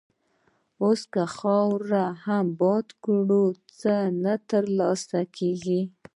اوس که خاورې هم باد کړې، څه نه تر لاسه کېږي.